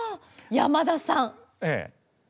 山田さん